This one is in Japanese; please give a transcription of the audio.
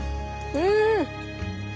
うん！